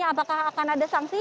apakah akan ada sanksi